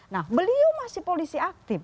nah beliau masih polisi aktif